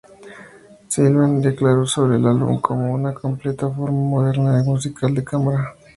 Sylvian declaró sobre el álbum como "una completa forma moderna de música de cámara.